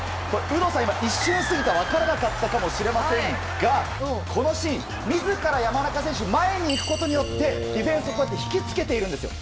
有働さん、一瞬すぎて分からなかったかもしれませんがこのシーン自ら山中選手が前に行くことでディフェンスを引き付けてるんですよ。